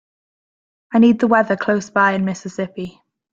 I need the weather close-by in Mississippi